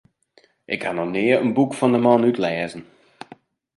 Ik ha noch nea in boek fan de man útlêzen.